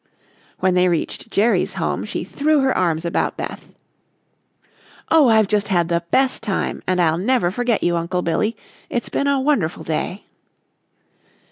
When they reached Jerry's home, she threw her arms about Beth. "Oh, I've just had the best time, and I'll never forget you, Uncle Billy. It's been a wonderful day."